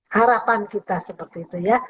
harapan kita seperti itu ya